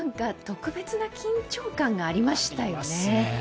特別な緊張感がありましたよね。